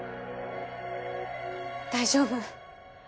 大丈夫。